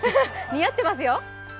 似合ってますよ！